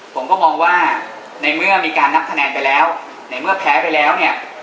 ผมก็มองว่าในเมื่อมีการนับคะแนนไปแล้วในเมื่อแพ้ไปแล้วเนี่ย